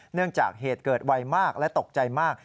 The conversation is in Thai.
เนื่องจากเหตุเกิดไวมากและตกใจมาก